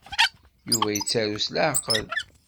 Yuba yettaru s leɛqel.